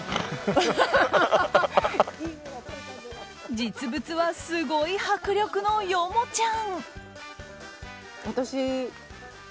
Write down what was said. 実物はすごい迫力のヨモちゃん。